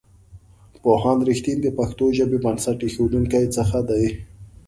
پوهاند رښتین د پښتو ژبې بنسټ ایښودونکو څخه دی.